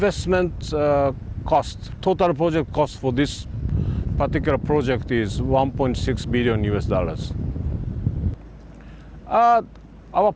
pembelian harga total untuk proyek ini adalah satu enam juta dolar as